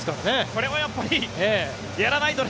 これはやっぱりやらないとね。